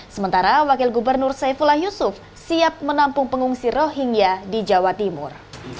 sementara wakil gubernur saifullah yusuf siap menampung pengungsi rohingya di jawa timur